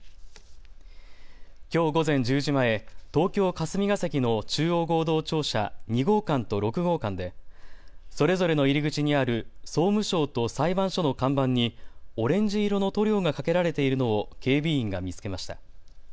きょう午前１０時前、東京霞が関の中央合同庁舎２号館と６号館でそれぞれの入り口にある総務省と裁判所の看板にオレンジ色の塗料がかけられているのを警備員が見つけました。